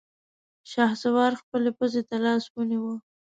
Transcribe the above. شهسوار خپلې پزې ته لاس ونيو.